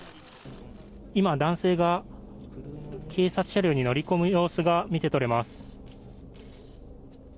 今、男性が警察車両に乗り込む様子が見て取れます。